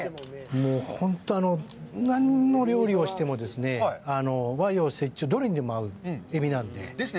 本当に何の料理をしても、和洋折衷、どれにでも合うエビなので。ですね。